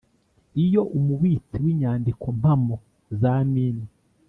Iyo Umubitsi w Inyandikompamo za Mine